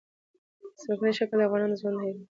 ځمکنی شکل د افغان ځوانانو د هیلو استازیتوب کوي.